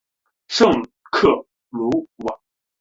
圣克鲁瓦。